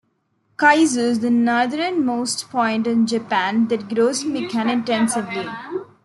Kaizu is the northernmost point in Japan that grows "mikan" extensively.